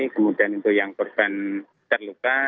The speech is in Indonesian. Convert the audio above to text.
kemudian untuk yang korban terluka